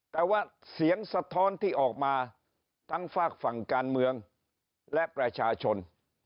แต่ว่าเสียงสะท้อนที่ออกมาทั้งฝากฝั่งการเมืองและประชาชน